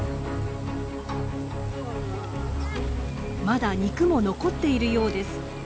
まだ肉も残っているようです。